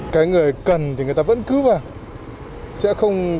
cái người cần thì người ta vẫn cứ vào